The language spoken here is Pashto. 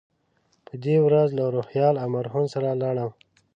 په دې ورځ له روهیال او مرهون سره لاړم.